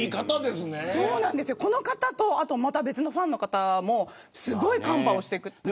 この方と、また別のファンの方もすごいカンパをしてくれた。